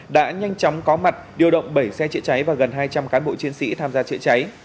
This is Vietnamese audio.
đã nhanh chóng có mặt điều động bảy xe chữa cháy và gần hai trăm linh cán bộ chiến sĩ tham gia chữa cháy